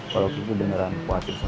kalau kitu beneran khawatir sama lo